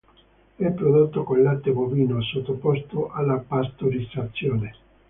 È prodotto con latte bovino sottoposto alla pastorizzazione.